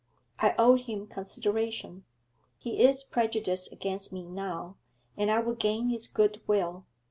I owe him consideration; he is prejudiced against me now, and I would gain his goodwill.